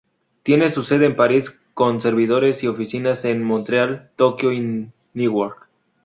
Tiene su sede en París, con servidores y oficinas en Montreal, Tokio y Newark.